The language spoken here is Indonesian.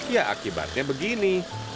ya akibatnya begini